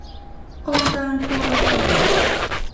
องค์การโทรศัพท์